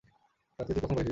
রাতে তুই কখন বাড়ি ফিরেছিস?